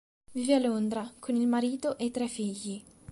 Vive a Londra, con il marito e i tre figli.